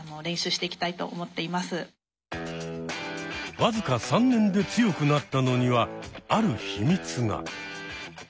僅か３年で強くなったのにはある秘密が。